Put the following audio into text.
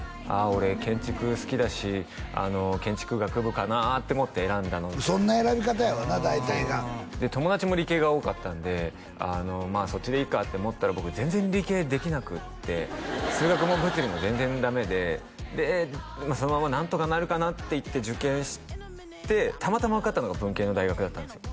俺建築好きだし建築学部かなって思って選んだそんな選び方やわな大体がで友達も理系が多かったんでそっちでいいかって思ったら僕全然理系できなくって数学も物理も全然ダメでそのままなんとかなるかなっていって受験してたまたま受かったのが文系の大学だったんですよ